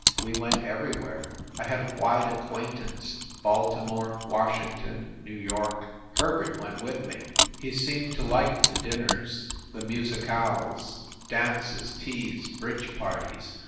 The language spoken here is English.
We went everywhere I had a wide acquaintance Baltimore, Washington, New York. Herbert went with me. He seemed to like the dinners, the musicales, dances, teas, bridge parties.